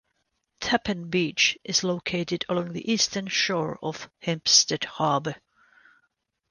Tappen Beach is located along the eastern shore of Hempstead Harbor.